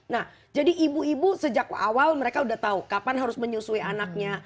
nah jadi ibu ibu sejak awal mereka sudah tahu kapan harus menyusui anaknya